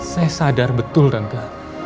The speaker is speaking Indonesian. saya sadar betul rangga